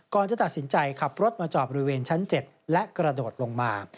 ก่อนจะตัดสินใจขับรถมาจอดบริเวณชั้น๗และกระโดดลงมา